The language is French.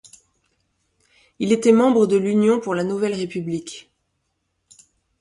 Il était membre de l'Union pour la nouvelle République.